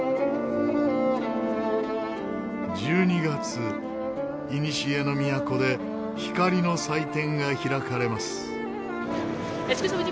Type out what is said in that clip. １２月いにしえの都で光の祭典が開かれます。